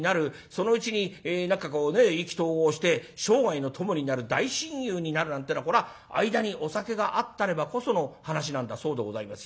そのうちに何かこうね意気投合して生涯の友になる大親友になるなんてのはこれは間にお酒があったればこその話なんだそうでございますよ。